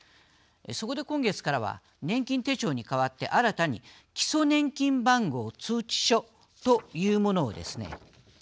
そこで今月からは年金手帳にかわって新たに基礎年金番号通知書というものをですね